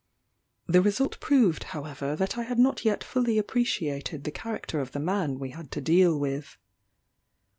The result proved, however, that I had not yet fully appreciated the character of the man we had to deal with.